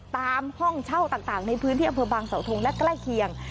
ตามห้องเช่าต่างในพื้นที่อำเภอบางสาวทงและใกล้เคียง